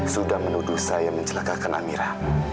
sudah menuduh saya mencelakakan amirah